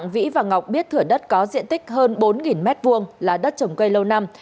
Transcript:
vĩ và ngọc biết thửa đất có diện tích hơn bốn m hai là đất trồng cây lâu năm